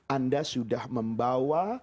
anda sudah membawa